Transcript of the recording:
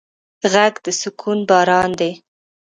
غږ د سکون باران دی